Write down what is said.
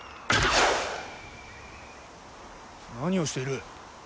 何をしている。